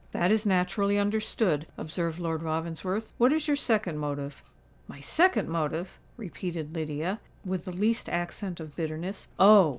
"That is naturally understood," observed Lord Ravensworth. "What is your second motive?" "My second motive!" repeated Lydia, with the least accent of bitterness: "oh!